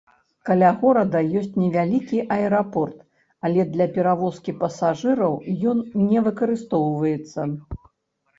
Каля горада ёсць невялікі аэрапорт, але для перавозкі пасажыраў ён не выкарыстоўваецца.